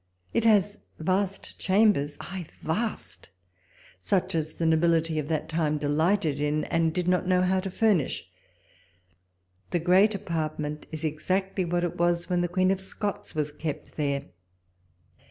It has vast chambers — aye, vast, such as the nobility of that time delighted in, and did not know how to furnish. The great apart ment is exactly what it was when the Queen of Scots was kept there.